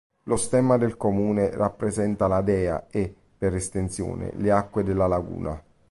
Lo stemma del comune rappresenta la dea e, per estensione, le acque della laguna.